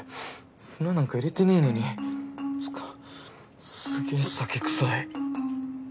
砂なんか入れてねぇのにつぅかすげぇ酒臭い。